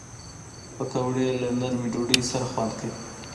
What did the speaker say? پکورې له نرمې ډوډۍ سره خوند کوي